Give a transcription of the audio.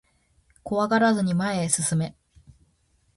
怖がらずに前へ進め